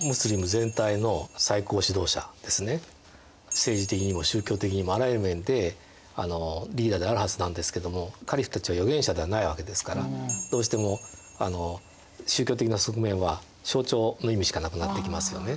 政治的にも宗教的にもあらゆる面でリーダーであるはずなんですけどもカリフたちは預言者ではないわけですからどうしても宗教的な側面は象徴の意味しかなくなってきますよね。